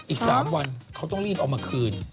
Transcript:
อีก๓วันเขาต้องรีบเอามาคืน